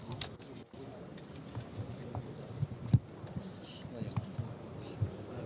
lagu kebangsaan indonesia raya